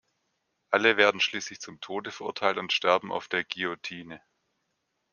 Alle werden schließlich zum Tode verurteilt und sterben auf der Guillotine.